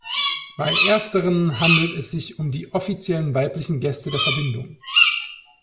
Bei ersteren handelt es sich um die offiziellen weiblichen Gäste der Verbindung.